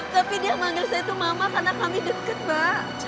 tapi dia manggil saya itu mama karena kami dekat pak